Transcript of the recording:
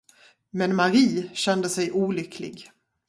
Men Mari kände sig olycklig.